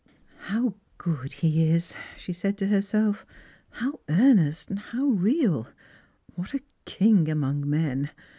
" How good he is," she said to herself; " how earnest, how real ! What a king among men